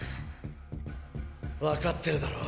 分かってるだろ？